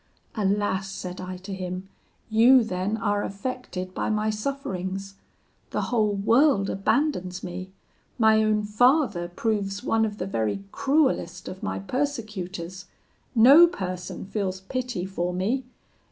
'Alas!' said I to him, 'you then are affected by my sufferings! The whole world abandons me; my own father proves one of the very cruellest of my persecutors; no person feels pity for me!